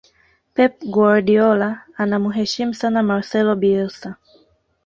pep guardiola anamuheshimu sana marcelo bielsa